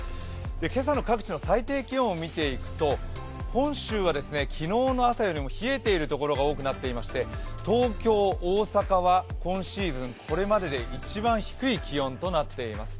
今朝の各地の最低気温を見ていくと本州は昨日の朝よりも冷えているところが多くなりまして東京、大阪は今シーズンこれまでで一番低い気温となっています。